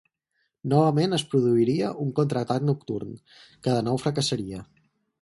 Novament es produiria un contraatac nocturn, que de nou fracassaria.